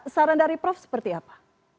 saran dari prof seperti apa